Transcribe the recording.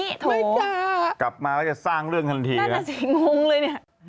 ไม่จ้ากลับมาแล้วจะสร้างเรื่องทันทีนั่นแหละสิงงเลยเนี่ย